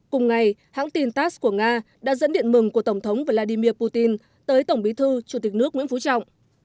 cùng ngày hãng tin tass của nga đã dẫn điện mừng của tổng thống vladimir putin tới tổng bí thư chủ tịch nước nguyễn phú trọng